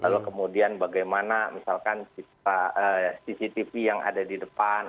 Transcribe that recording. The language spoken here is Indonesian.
lalu kemudian bagaimana misalkan cctv yang ada di depan